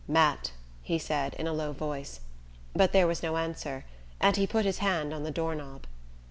"Matt," he said in a low voice; but there was no answer, and he put his hand on the door knob.